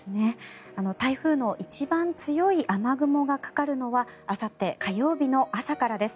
台風の一番強い雨雲がかかるのはあさって火曜日の朝からです。